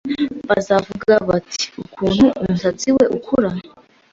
[Bazavuga bati: "Ukuntu umusatsi we ukura!"]